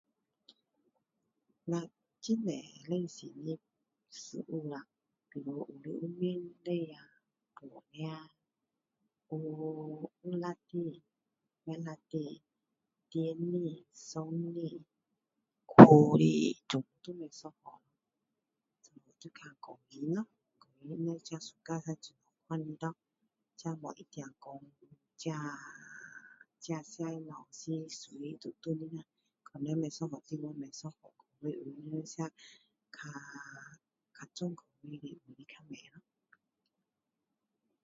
那很多类型的食物啊，比如有面类，饭呀，有辣的，不辣的，甜的，酸的，苦的，全部不一样。这就要看个人啦。个人是要看自己喜欢吃哪款的咯！这没一定说自己吃的东西， 是属于传统的啦。不一样地方，不一样口味。有的比较重口味，有的不会啦。